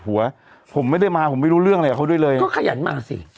ค่อนข้างดีมาสิ